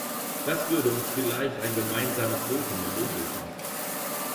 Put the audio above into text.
Das würde uns vielleicht ein gemeinsames Votum ermöglichen.